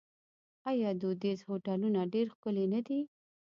آیا دودیز هوټلونه ډیر ښکلي نه دي؟